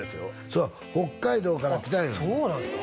そう北海道から来たんよ・そうなんすか？